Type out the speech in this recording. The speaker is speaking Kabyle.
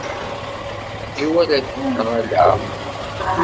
Iwala-ten neɣ ala?